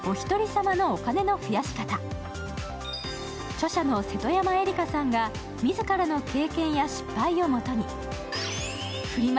著者の瀬戸山エリカさんが自らの経験や失敗を基にフリマ